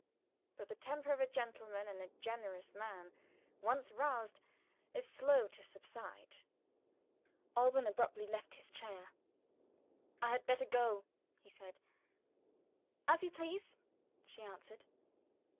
But the temper of a gentle and generous man, once roused, is slow to subside. Alban abruptly left his chair. "I had better go!" he said. "As you please," she answered.